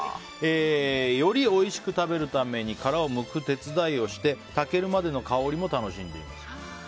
よりおいしく食べるために殻をむく手伝いをして炊けるまでの香りも楽しんでいます。